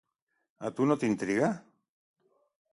A tu no t’intriga?